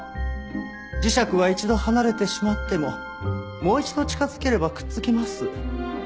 磁石は一度離れてしまってももう一度近づければくっつきます。